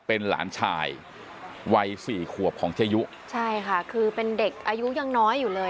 เป็นหลานชายวัยสี่ขวบของเจยุใช่ค่ะคือเป็นเด็กอายุยังน้อยอยู่เลย